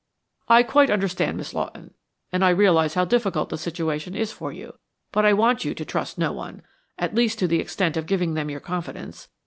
"I quite understand, Miss Lawton, and I realize how difficult the situation is for you, but I want you to trust no one at least, to the extent of giving them your confidence.